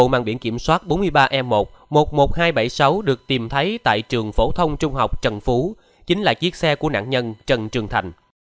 bộ mang biển kiểm soát bốn mươi ba e một một mươi một nghìn hai trăm bảy mươi sáu được tìm thấy tại trường phổ thông trung học trần phú chính là chiếc xe của nạn nhân trần trường thành